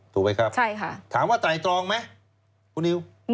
ถูกไหมครับถามว่าไตรตรองไหมคุณนิว